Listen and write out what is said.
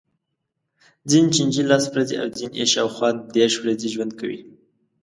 ځینې چینجي لس ورځې او ځینې یې شاوخوا دېرش ورځې ژوند کوي.